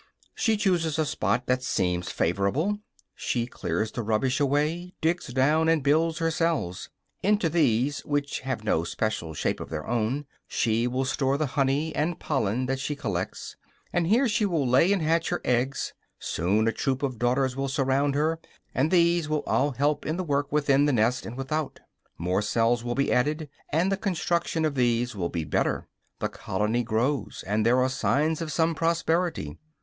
She chooses a spot that seems favorable; she clears the rubbish away, digs down and builds her cells. Into these, which will have no special shape of their own, she will store the honey and pollen that she collects, and here she will lay and hatch her eggs; soon a troop of daughters will surround her, and these will all help in the work within the nest and without. More cells will be added, and the construction of these will be better; the colony grows, and there are signs of some prosperity.